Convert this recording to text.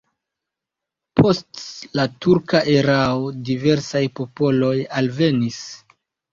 Post la turka erao diversaj popoloj alvenis.